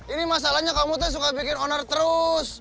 ini masalahnya kamu tuh suka bikin owner terus